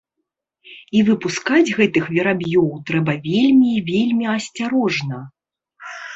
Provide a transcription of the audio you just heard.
І выпускаць гэтых вераб'ёў трэба вельмі і вельмі асцярожна.